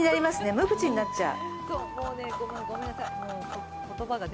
無口になっちゃう。